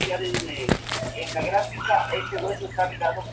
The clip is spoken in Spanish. Opcionalmente, se puede acompañar de un helado de vainilla.